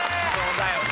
だよね。